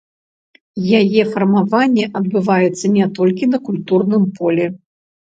Яе фармаванне адбываецца не толькі на культурным полі.